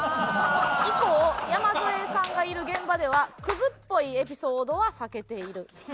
以降山添さんがいる現場ではクズっぽいエピソードは避けている。